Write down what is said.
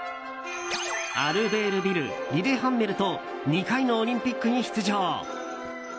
アルベールビル、リレハンメルと２回のオリンピックに出場。